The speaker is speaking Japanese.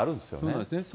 そうなんですよね。